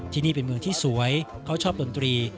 ที่นี่เป็นเมืองที่สวยเขาชอบดนตรี